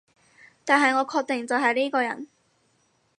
但係我確定就係依個人